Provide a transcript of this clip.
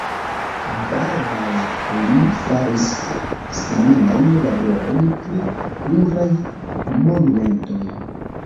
Baldaŭ li faris similajn laborojn pri pluraj monumentoj.